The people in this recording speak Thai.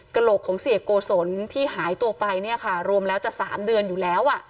โหลกของเสียโกศลที่หายตัวไปเนี่ยค่ะรวมแล้วจะ๓เดือนอยู่แล้ว